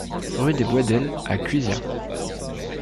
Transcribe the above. Rue des Boisdels à Cuisia